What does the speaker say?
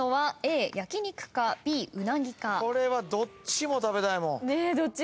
これはどっちも食べたいもん。